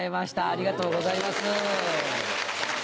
ありがとうございます。